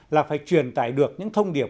là phải truyền tải được những thông điệp